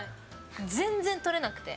全然取れなくて。